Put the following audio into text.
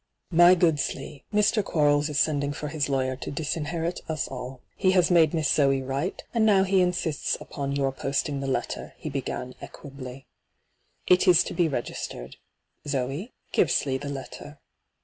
' My good Slee, Mr. Quarles is sending for his lawyer to disinherit us all. He has made Miss Zoe write, and now he incdsts upon your posting the letter,' he b^;an equably. ' It lb to be registered. Zoe, give Slee the letter.'